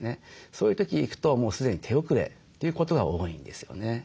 そういう時行くともう既に手遅れということが多いんですよね。